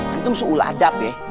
antum seulah adab ya